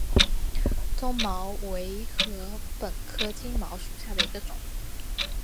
棕茅为禾本科金茅属下的一个种。